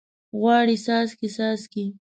غواړي څاڅکي، څاڅکي